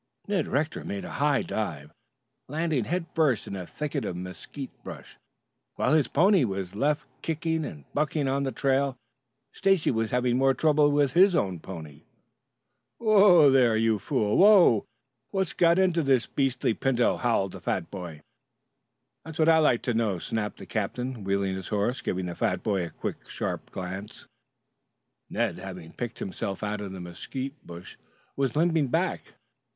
Ned Rector made a high dive, landing head first in a thicket of mesquite brush, while his pony was left kicking and bucking on the trail. Stacy was having more trouble with his own pony. "Whoa, there, you fool! Whoa! What's got into this beastly pinto?" howled the fat boy. "That's what I'd like to know too," snapped the captain, wheeling his horse, giving the fat boy a quick, sharp glance. Ned, having picked himself out of the mesquite bush, was limping back.